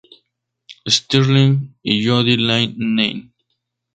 Stirling, y Jody Lynn Nye.